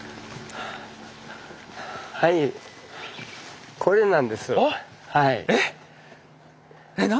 はいこれなんですよはい。